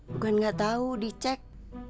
bukan gak tau dicek